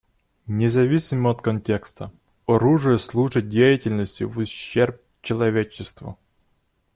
Независимо от контекста, оружие служит деятельности в ущерб человечеству.